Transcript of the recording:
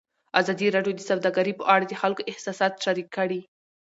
ازادي راډیو د سوداګري په اړه د خلکو احساسات شریک کړي.